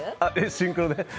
シンクロで？